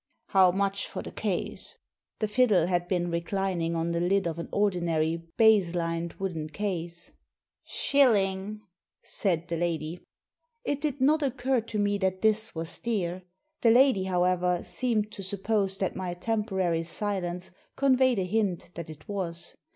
" How much for the case ?" The fiddle had been reclining on the lid of an ordinary baize lined wooden case. "Shilling," said the lady. It did not occur to me that this was dear. The lady, however, seemed to suppose that my temporary silence conveyed a hint that it was.